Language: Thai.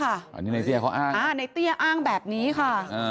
อันนี้ในเตี้ยเขาอ้างในเตี้ยอ้างแบบนี้ค่ะ